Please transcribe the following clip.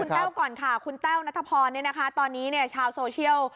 ดูคุณแต้วก่อนค่ะคุณแต้วนัทพรเนี่ยนะคะตอนนี้เนี่ยชาวโซเชียล